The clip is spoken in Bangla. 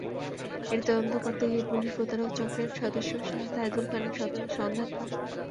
এটি তদন্ত করতে গিয়ে পুলিশ প্রতারক চক্রের সদস্য সাইদুল খানের সন্ধান পায়।